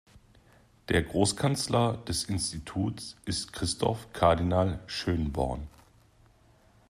Der Großkanzler des Instituts ist Christoph Kardinal Schönborn.